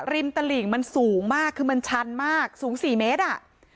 ตลิ่งมันสูงมากคือมันชันมากสูง๔เมตรอ่ะ